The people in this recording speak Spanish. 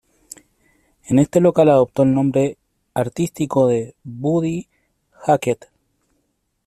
En este local adoptó el nombre artístico de Buddy Hackett.